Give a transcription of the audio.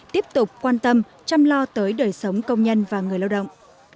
tiếp tục quan tâm chăm lo tới đời sống công nhân và người lao động